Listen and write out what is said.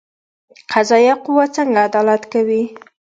قضایه قوه څنګه عدالت کوي؟